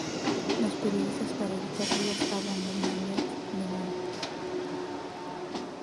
Los periodistas para evitar líos hablan del maillot limón.